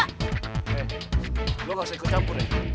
hei lo gak usah ikut campur ya